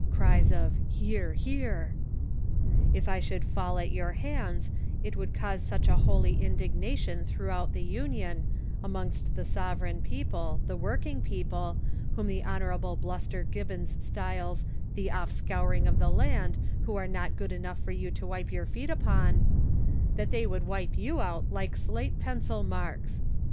[Cries of "Hear! hear!"] If I should fall at your hands, it would cause such a holy in dignation throughout the Union, amongst the sovereign people, the working people, whom the Hon. Bluster Gibbons styles, "the offscouring of the land, who are not good enough for you to wipe your feet upon," that they would wipe you out like slate pencil marks.